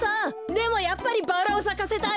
でもやっぱりバラをさかせたい。